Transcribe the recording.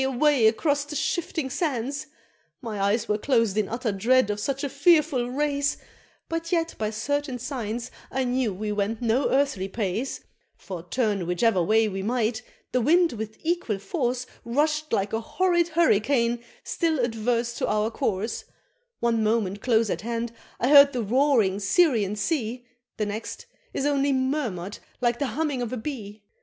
away! across the shifting sands! My eyes were closed in utter dread of such a fearful race, But yet by certain signs I knew we went no earthly pace, For turn whichever way we might, the wind with equal force Rush'd like a horrid hurricane still adverse to our course One moment close at hand I heard the roaring Syrian Sea, The next is only murmur'd like the humming of a bee!